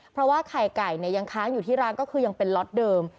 เพราะว่าไข่ไก่ยังค้างอยู่ที่ร้านก็คือยังเป็นล็อตเดิม